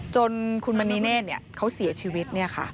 จนคุณมณีเน่นเขาเสียชีวิตนี่ค่ะ